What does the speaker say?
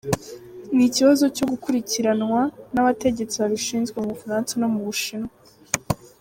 "Ni ikibazo cyo gukurikiranwa n'abategetsi babishinzwe mu Bufaransa no mu Bushinwa.